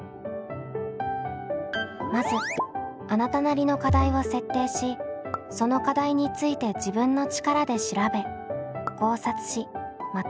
まずあなたなりの課題を設定しその課題について自分の力で調べ考察しまとめる。